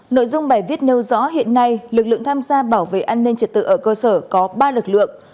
nội dung bài viết nêu rõ hiện nay lực lượng tham gia bảo vệ an ninh trật tự ở cơ sở có ba lực lượng